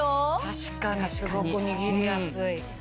確かにすごく握りやすい。